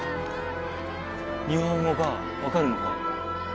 日本語が分かるのか？